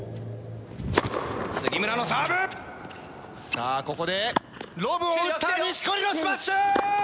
さあここでロブを打った錦織のスマッシュ！